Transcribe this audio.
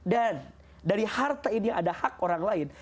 dan dari harta ini ada hak orang lain